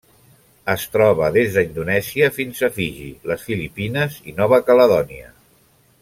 Es troba des d'Indonèsia fins a Fiji, les Filipines i Nova Caledònia.